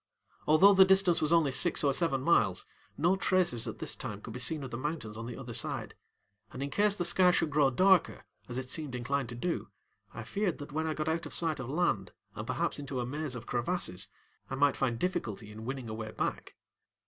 Although the distance was only six or seven miles, no traces at this time could be seen of the mountains on the other side, and in case the sky should grow darker, as it seemed inclined to do, I feared that when I got out of sight of land and perhaps into a maze of crevasses I might find difficulty in winning a way back.